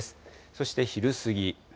そして昼過ぎ。